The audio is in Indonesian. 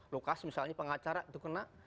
lokasi misalnya pengacara itu kena